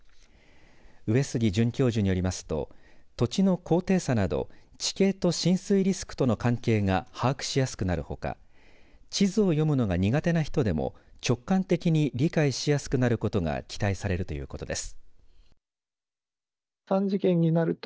上杉准教授によりますと土地の高低差など地形と浸水リスクとの関係が把握しやすくなるほか地図を読むのが苦手な人でも直感的に理解しやすくなることが期待されるということです。